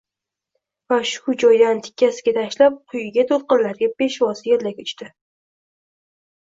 va shu joydan tikkasiga tashlab, quyiga to‘lqinlarga peshvoz yeldek uchdi.